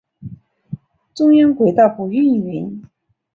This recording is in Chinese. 中央轨道不营运。